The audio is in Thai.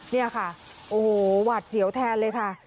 นี่ค่ะโอ้โหหวาดเสียวแทนเลยค่ะ